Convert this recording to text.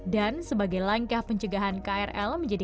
dan sebagai langkah pencegahan krl menjadi